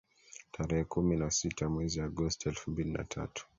tarehe kumi na sita mwezi Agosti elfu mbili na tatu